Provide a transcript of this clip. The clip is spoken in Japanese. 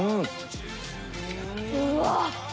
うわっ！